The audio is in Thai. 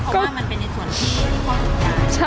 เขาว่ามันเป็นในส่วนพี่ที่พ่อสุดใจ